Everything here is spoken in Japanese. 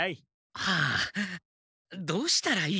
はあどうしたらいいでしょう？